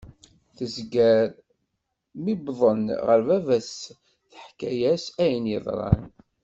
Tezger, mi wḍen ɣer baba-s teḥka-as ayen yeḍran.